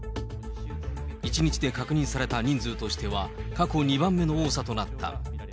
１日で確認された人数としては、過去２番目の多さとなった。